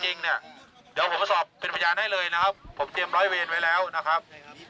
เนี่ยเดี๋ยวผมสอบเป็นพยานให้เลยนะครับผมเตรียมร้อยเวรไว้แล้วนะครับ